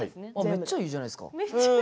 めっちゃいいじゃないですか。